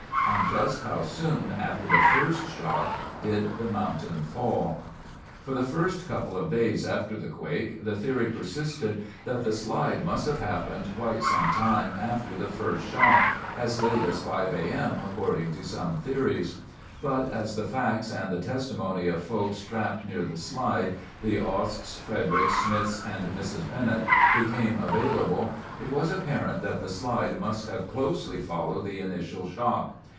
And just how soon after the first shock did the mountain fall? [Illustration: Ruined building on the fault line.] For the first couple of days after the quake, the theory persisted that the slide must have happened quite some time after the first shock—as late as 5:00 A. M., according to some theorists. But, as the facts, and the testimony of folks trapped near the slide—the Osts, Fredericks, Smiths, and Mrs. Bennett—became available, it was apparent that the slide must have closely followed the initial shock.